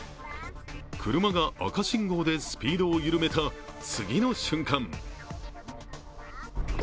車が赤信号でスピードを緩めた、次の瞬間